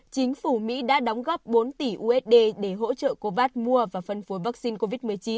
chính phủ mỹ đã đóng góp bốn tỷ usd để hỗ trợ covas mua và phân phối vaccine covid một mươi chín